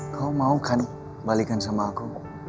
kau mau kan balikan sama aku